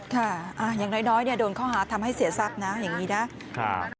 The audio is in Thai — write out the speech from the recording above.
อย่างน้อยโดนข้อหาทำให้เสียทรัพย์นะอย่างนี้นะครับ